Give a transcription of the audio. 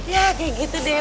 ya kayak gitu deh